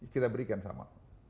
kita berikan sama